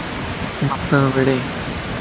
متان وڙو